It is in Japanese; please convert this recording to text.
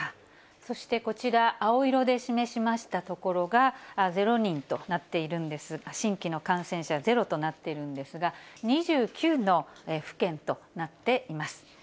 そしてこちら、青色で示しました所が０人となっているんですが、新規の感染者が０となっているんですが、２９の府県となっています。